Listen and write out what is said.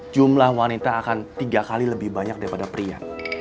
jumlah wanita akan tiga kali lebih banyak daripada pria